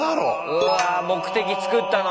うわ目的つくったのに。